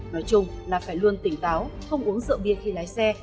nói chung là phải luôn tỉnh táo không uống rượu bia khi lái xe